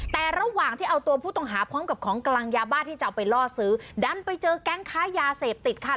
แต่ระหว่างที่เอาตัวผู้ต้องหาพร้อมกับของกลางยาบ้าที่จะเอาไปล่อซื้อดันไปเจอแก๊งค้ายาเสพติดค่ะ